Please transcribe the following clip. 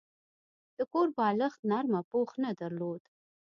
د کور بالښت نرمه پوښ نه درلوده.